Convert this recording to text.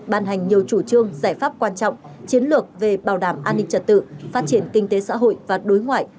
ban hành nhiều chủ trương giải pháp quan trọng chiến lược về bảo đảm an ninh trật tự phát triển kinh tế xã hội và đối ngoại